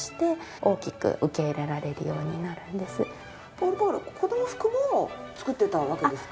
ポール・ポワレは子供服も作ってたわけですか？